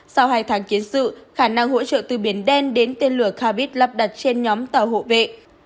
sau hai tháng kiến sự khả năng hỗ trợ từ biển đen đến tên lửa cabit lắp đặt trên nhóm tàu hộ vệ